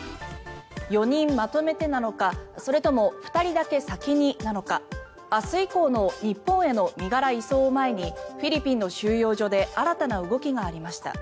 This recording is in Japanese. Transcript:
４人まとめてなのかそれとも２人だけ先になのか明日以降の日本への身柄移送を前にフィリピンの収容所で新たな動きがありました。